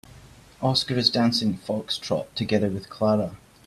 Oscar is dancing foxtrot together with Clara.